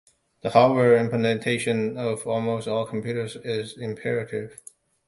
The hardware implementation of almost all computers is imperative.